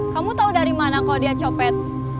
kamu tahu dari mana kalau dia copet